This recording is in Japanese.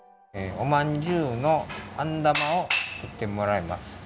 おまんじゅうのあんだまを作ってもらいます。